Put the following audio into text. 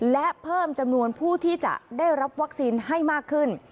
และเพิ่มจำนวนผู้ที่จะได้รับวัคซีนให้มากขึ้น